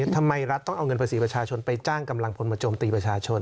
รัฐต้องเอาเงินภาษีประชาชนไปจ้างกำลังพลมาโจมตีประชาชน